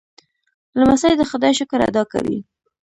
لمسی د خدای شکر ادا کوي.